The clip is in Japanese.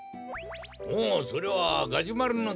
おおそれはガジュマルのきじゃな。